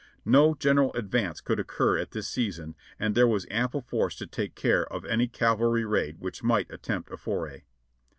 No general advance could occur at this season and there was am ple force to take care of any cavalry raid which might attempt a foray.